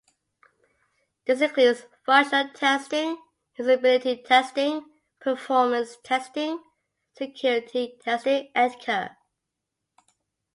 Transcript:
This includes functional testing, usability testing, performance testing, security testing, etc.